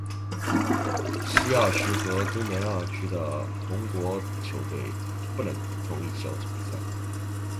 西亚区和东南亚区的同国球队不能同一小组比赛。